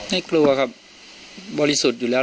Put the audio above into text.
กลัวครับบริสุทธิ์อยู่แล้ว